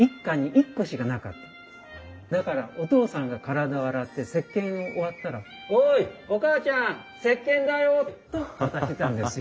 だからおとうさんが体を洗ってせっけんを終わったら「おい！おかあちゃんせっけんだよ！」と渡してたんですよ。